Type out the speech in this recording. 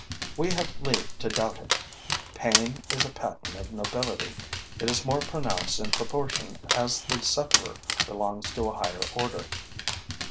We have leave to doubt it. Pain is a patent of nobility; it is more pronounced in proportion as the sufferer belongs to a higher order.